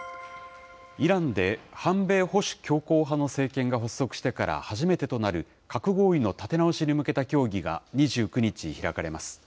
イランで反米・保守強硬派の政権が発足してから初めてとなる核合意の立て直しに向けた協議が２９日、開かれます。